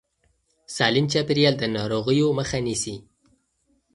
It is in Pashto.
سالم چاپېريال د ناروغیو مخه نیسي.